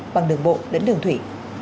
bằng đường bộ đến đường thủy